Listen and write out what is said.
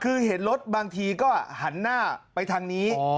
คือเห็นรถบางทีก็หันหน้าไปทางนี้